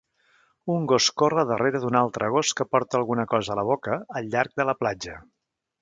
Un gos corre darrera d'un altre gos que porta alguna cosa a la boca al llarg de la platja.